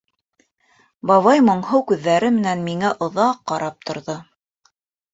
Бабай моңһоу күҙҙәре менән миңә оҙаҡ ҡарап торҙо.